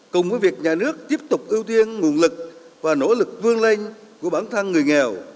cùng với việc nhà nước tiếp tục ưu tiên nguồn lực và nỗ lực vương lên của bản thân người nghèo